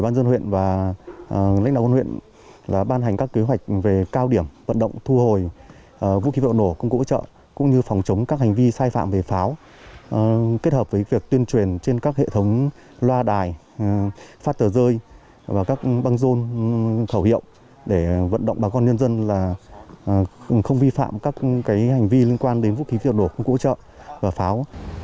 công an dân huyện và lãnh đạo quân huyện ban hành các kế hoạch về cao điểm vận động thu hồi vũ khí vật nổ công cụ ủi trợ cũng như phòng chống các hành vi sai phạm về pháo kết hợp với việc tuyên truyền trên các hệ thống loa đài phát tờ rơi và các băng rôn khẩu hiệu để vận động bà con nhân dân là không vi phạm các hành vi liên quan đến vũ khí vật nổ công cụ ủi trợ và pháo